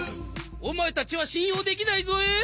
お前たちは信用できないぞえ。